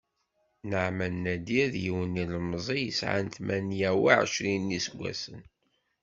Naɛman Nadir, d yiwen n yilemẓi i yesεan tmanya uɛecrin n yiseggasen.